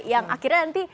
yang akhirnya nanti